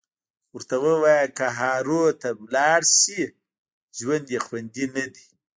ورته ووایه که هارو ته لاړ شي ژوند یې خوندي ندی